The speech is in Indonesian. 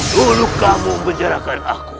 dulu kamu menjarakan aku